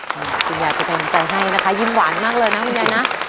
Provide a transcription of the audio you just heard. คุณยายก็เป็นกำลังใจให้นะคะยิ้มหวานมากเลยนะคุณยายนะ